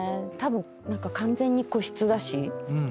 何か完全に個室だし。